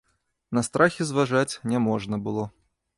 На страхі зважаць не можна было.